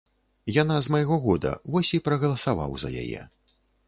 Яна з майго года, вось і прагаласаваў за яе.